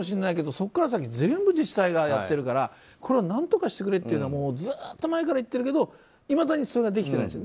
そこから先全部、自治体がやってるからこれを何とかしてくれというのはずっと前から言ってるけどいまだにできてないんですよ。